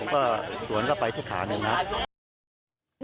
ผมก็สวนเข้าไปทุกขาหนึ่งครับ